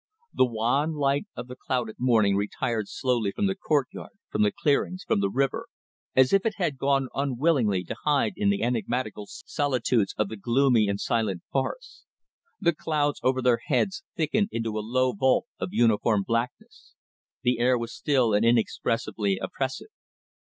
The wan light of the clouded morning retired slowly from the courtyard, from the clearings, from the river, as if it had gone unwillingly to hide in the enigmatical solitudes of the gloomy and silent forests. The clouds over their heads thickened into a low vault of uniform blackness. The air was still and inexpressibly oppressive.